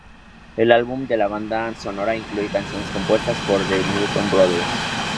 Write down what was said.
El álbum de la banda sonora incluye canciones compuestas por The Newton Brothers.